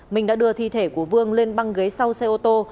minh đã đưa thi thể của vương lên băng ghế sau xe ô tô